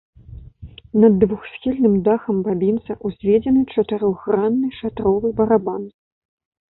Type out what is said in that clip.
Над двухсхільным дахам бабінца ўзведзены чатырохгранны шатровы барабан.